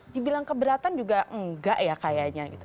dibilang keberatan juga enggak ya kayaknya gitu